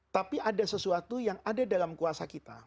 tapi ada sesuatu yang ada dalam kuasa kita